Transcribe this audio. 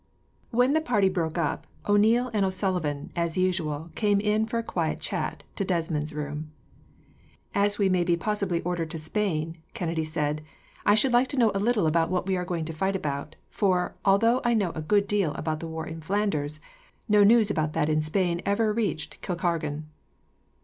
When the party broke up, O'Neil and O'Sullivan, as usual, came in for a quiet chat to Desmond's room. "As we may be possibly ordered to Spain," Kennedy said, "I should like to know a little about what we are going to fight about; for, although I know a good deal about the war in Flanders, no news about that in Spain ever reached Kilkargan."